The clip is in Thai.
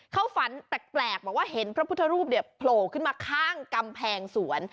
เขาฝันแปลกบอกว่าเห็นพระพุทธรูปโผล่ขึ้นมาข้างกำแพงสวน